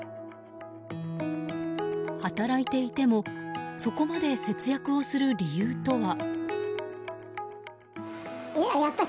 働いていてもそこまで節約をする理由とは。